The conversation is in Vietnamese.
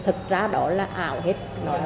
thật ra đó là ảo hết